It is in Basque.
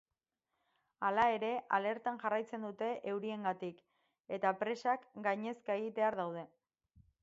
Hala ere, alertan jarraitzen dute euriengatik eta presak gainezka egitear daude.